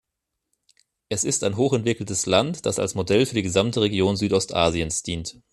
Es ist ein hochentwickeltes Land, das als Modell für die gesamte Region Südostasiens dient.